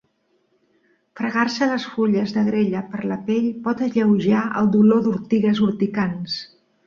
Fregar-se les fulles d'agrella per la pell pot alleujar el dolor d'ortigues urticants.